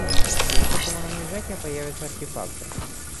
При высоком уровне сжатия появятся артефакты